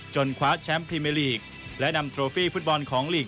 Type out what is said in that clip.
คว้าแชมป์พรีเมอร์ลีกและนำโรฟี่ฟุตบอลของลีก